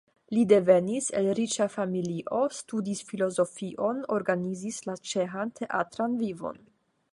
Li devenis el riĉa familio, studis filozofion, organizis la ĉeĥan teatran vivon.